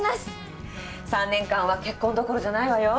３年間は結婚どころじゃないわよ。